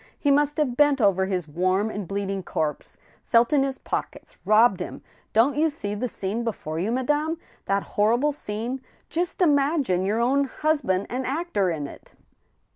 He must have bent over his warm and bleeding corpse, felt in his pockets, robbed him. ... Don't you see the scene before you, madame — that hor rible scene ? Just imagine your own husband an actor in it